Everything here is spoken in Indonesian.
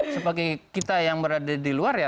sebagai kita yang berada di luar ya